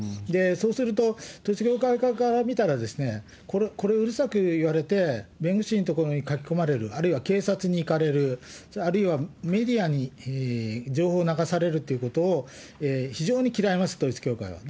そうすると、統一教会側から見たら、これをうるさく言われて、弁護士の所に駆け込まれる、あるいは警察に行かれる、あるいはメディアに情報を流されるっていうことを非常に嫌います、統一教会は。